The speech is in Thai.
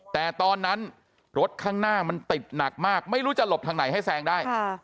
แต่ตอนนั้นรถข้างหน้ามันติดหนักมากไม่รู้จะหลบทางไหนให้แซงได้